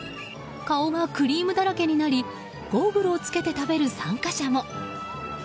顔がクリームだらけになりゴーグルを着けて食べる参加者も。